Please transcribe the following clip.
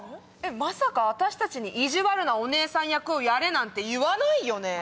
まさか私たちに意地悪なお姉さん役をやれなんて言わないよね？